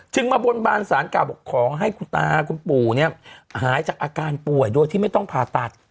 มาบนบานสารกล่าวบอกขอให้คุณตาคุณปู่เนี่ยหายจากอาการป่วยโดยที่ไม่ต้องผ่าตัด